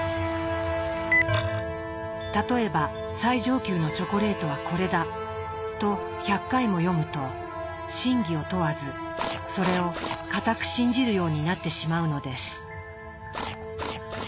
例えば「最上級のチョコレートはこれだ！」と１００回も読むと真偽を問わずそれを固く信じるようになってしまうのです。